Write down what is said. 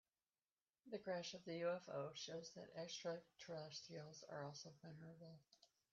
The crash of the UFO shows that extraterrestrials are also vulnerable.